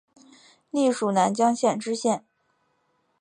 历署南江县知县。